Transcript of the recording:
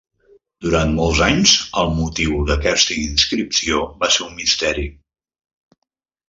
Durant molts anys el motiu d'aquesta inscripció va ser un misteri.